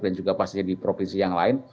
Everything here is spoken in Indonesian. dan juga pastinya di provinsi yang lain